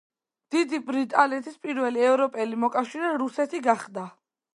დიდი ბრიტანეთის პირველი ევროპელი მოკავშირე რუსეთი გახდა.